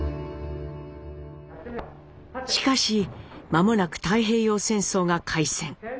しかし間もなく太平洋戦争が開戦。